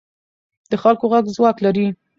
د خلکو غږ ځواک لري